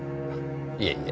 いえいえ。